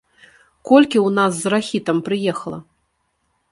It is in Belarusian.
Колькі ў нас з рахітам прыехала!